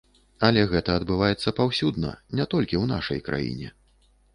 Але гэта адбываецца паўсюдна, не толькі ў нашай краіне.